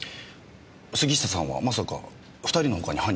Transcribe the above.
杉下さんはまさか２人の他に犯人がいるとでも？